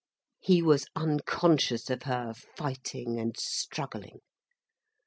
He was unconscious of her fighting and struggling.